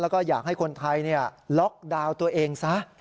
แล้วก็อยากให้คนไทยล็อกดาวน์ตัวเองซะ